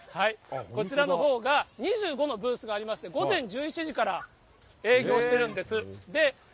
こちらのほうが２５のブースがありまして、午前１１時から営業してるんです。